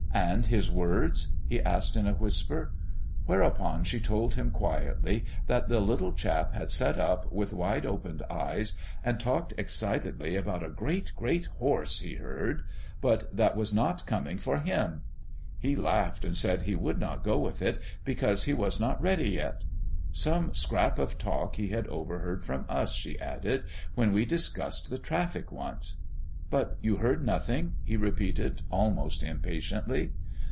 "And his words?" he asked in a whisper. Whereupon she told him quietly that the little chap had sat up with wide opened eyes and talked excitedly about a "great, great horse" he heard, but that was not "coming for him." "He laughed and said he would not go with it because he 'was not ready yet.' Some scrap of talk he had overheard from us," she added, "when we discussed the traffic once...." "But you heard nothing?" he repeated almost impatiently.